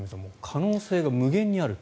可能性が無限にある。